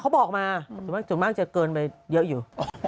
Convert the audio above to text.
เขาบอกมาส่วนมากจะเกินไปเยอะอยู่